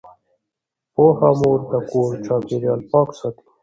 پوهه مور د کور چاپیریال پاک ساتي۔